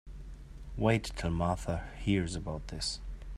Wait till Martha hears about this.